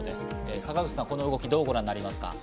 坂口さん、この動きをどうご覧になりますか？